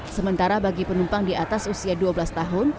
sementara bagi penumpang di atas usia dua belas tahun